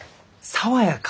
爽やか？